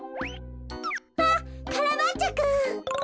あっカラバッチョくん。